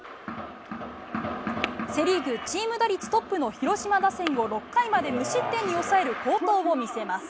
セ・リーグチーム打率トップの広島打線を６回まで無失点に抑える好投を見せます。